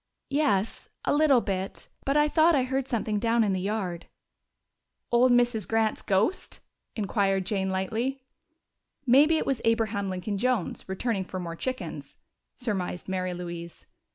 "Yes, a little bit. But I thought I heard something down in the yard." "Old Mrs. Grant's ghost?" inquired Jane lightly. "Maybe it was Abraham Lincoln Jones, returning for more chickens," surmised Mary Louise.